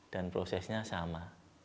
dan prosesnya sama